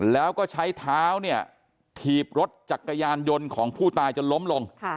แล้วก็ใช้เท้าเนี่ยถีบรถจักรยานยนต์ของผู้ตายจนล้มลง